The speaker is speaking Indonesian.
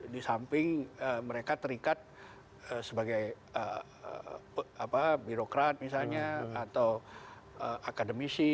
di samping mereka terikat sebagai birokrat misalnya atau akademisi